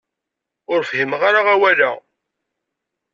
Ur fhimeɣ ara awal-a.